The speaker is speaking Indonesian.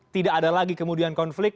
tidak ada lagi kemudian konflik